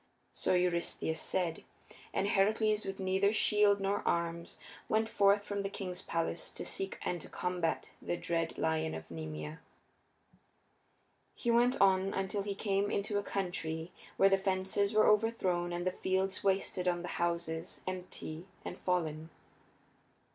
So Eurystheus said, and Heracles, with neither shield nor arms, went forth from the king's palace to seek and to combat the dread lion of Nemea. He went on until he came into a country where the fences were overthrown and the fields wasted and the houses empty and fallen.